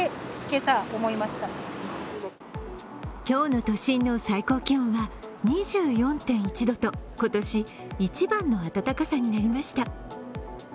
今日の都心の最高気温は２４．１度と今年一番の暖かさになりました。